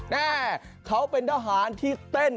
แม่เขาเป็นทหารที่เต้น